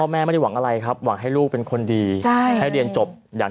ไม่ได้หวังอะไรครับหวังให้ลูกเป็นคนดีใช่ให้เรียนจบอยาก